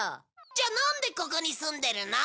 じゃあなんでここに住んでるの？